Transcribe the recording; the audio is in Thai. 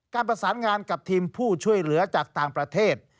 การประสานงานกับทีมผู้ช่วยเหลือจากต่างประเทศ